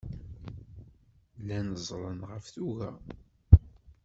Llan ẓẓlen ɣef tuga.